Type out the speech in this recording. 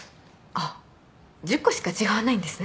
あっ１０個しか違わないんですね。